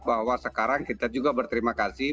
bahwa sekarang kita juga berterima kasih